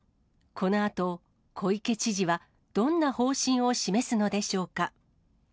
このあと、小池知事はどんな方針を示すのでしょうか。